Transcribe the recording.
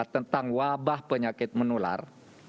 tentang wabah penyakit menular